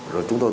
rồi chúng tôi